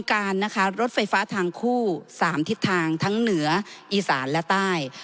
การนะคะรถไฟฟ้าทางคู่๓ทิศทางทั้งเหนืออีสานและใต้